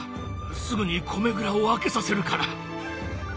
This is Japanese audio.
すぐに米蔵を開けさせるから。